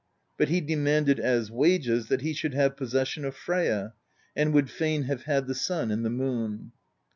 But he demanded as wages that he should have possession of Freyja, and would fain have had the sun and the moon.